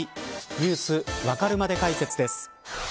Ｎｅｗｓわかるまで解説です。